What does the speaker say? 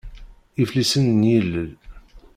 Iflisen n yilel.